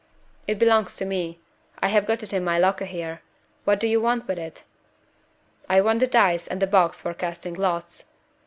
"It belongs to me. I have got it in my locker here. What do you want with it?" "I want the dice and the box for casting lots.